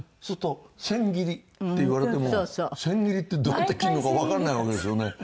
そうすると「千切り」って言われても千切りってどうやって切るのかわからないわけですよね。